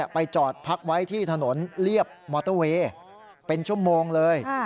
ไปจอดพักไว้ที่ถนนเรียบมอเตอร์เวย์เป็นชั่วโมงเลย